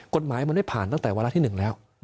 กฎหมายมันไม่ผ่านตั้งแต่วันอาทิตย์๑แล้ว